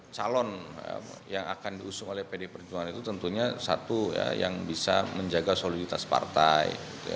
calon yang akan diusung oleh pd perjuangan itu tentunya satu yang bisa menjaga soliditas partai